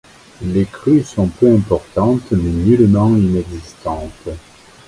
Les crues sont peu importantes, mais nullement inexistantes.